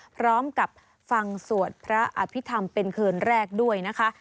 พร้อมกับฟังสวดพระอภิษฐรรมเป็นคืนแรกด้วยนะคะ